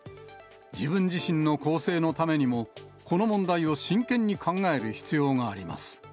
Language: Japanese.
自分自身の更生のためにも、この問題を真剣に考える必要があります。